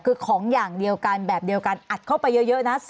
คือของอย่างเดียวกันแบบเดียวกันอัดเข้าไปเยอะนะ